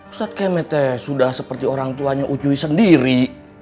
ustadz kemet ya sudah seperti orang tuanya ucuy sendiri